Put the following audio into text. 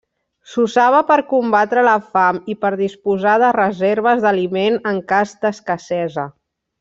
S'usava per combatre la fam i per disposar de reserves d'aliment en cas d'escassesa.